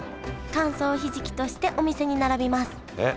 乾燥ひじきとしてお店に並びますえっ？